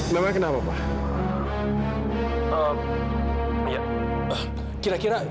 memang kenapa pak